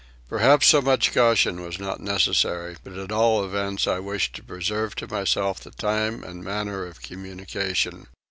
Perhaps so much caution was not necessary but at all events I wished to reserve to myself the time and manner of communication.